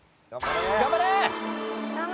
頑張れ！